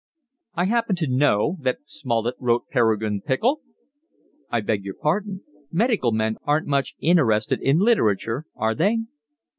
"I happen to know that Smollett wrote Peregrine Pickle." "I beg your pardon. Medical men aren't much interested in literature, are they?"